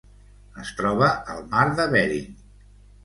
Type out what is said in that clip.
Es troba al mar de Bering.